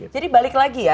jadi balik lagi ya